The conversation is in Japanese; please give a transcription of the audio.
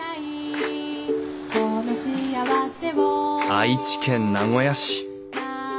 愛知県名古屋市。